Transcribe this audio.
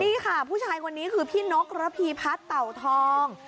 นี่ค่ะผู้ชายคนนี้คือพี่นกระพีพัฒน์เต่าทอง